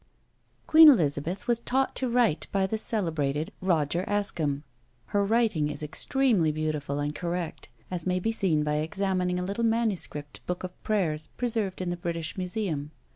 Queen Elizabeth was taught to write by the celebrated Roger Ascham. Her writing is extremely beautiful and correct, as may be seen by examining a little manuscript book of prayers, preserved in the British Museum.